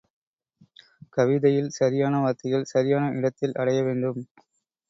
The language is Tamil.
கவிதையில், சரியான வார்த்தைகள், சரியான இடத்தில் அடைய வேண்டும்.